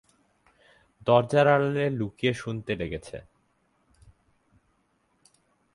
দরজার আড়ালে লুকিয়ে শুনতে লেগেছে।